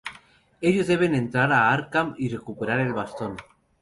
Ellos deben entrar en Arkham, y recuperar el bastón.